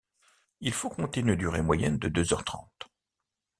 Il faut compter une durée moyenne de deux heures trente.